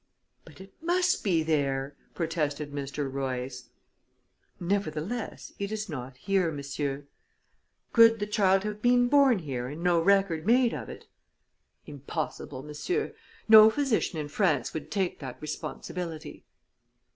"But it must be there!" protested Mr. Royce. "Nevertheless it is not here, monsieur." "Could the child have been born here and no record made of it?" "Impossible, monsieur. No physician in France would take that responsibility."